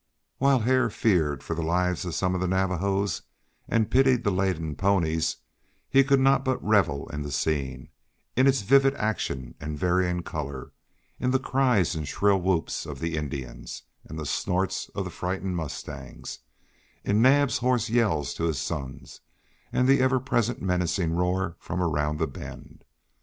While Hare feared for the lives of some of the Navajos, and pitied the laden ponies, he could not but revel in the scene, in its vivid action and varying color, in the cries and shrill whoops of the Indians, and the snorts of the frightened mustangs, in Naab's hoarse yells to his sons, and the ever present menacing roar from around the bend.